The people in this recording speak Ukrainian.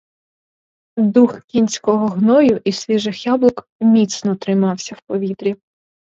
Дух кінського гною і свіжих яблук міцно тримався в повітрі.